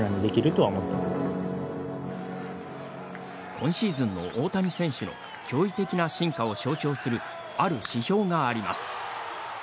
今シーズンの大谷選手の驚異的な進化を象徴するある指標があります。